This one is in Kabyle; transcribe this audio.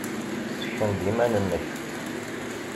Ssken-d iman-nnek.